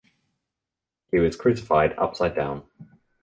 He was crucified upside down.